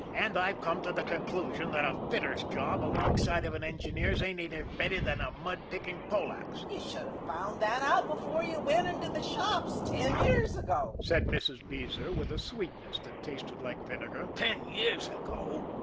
And I've come to the conclusion that a fitter's job alongside of an engineer's ain't any better than a mud picking Polack's." "You should have found that out before you went into the shops ten years ago," said Mrs. Beezer, with a sweetness that tasted like vinegar. "Ten years ago!"